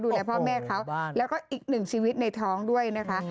พ่อแม่เขาแล้วก็อีกหนึ่งชีวิตในท้องด้วยนะคะ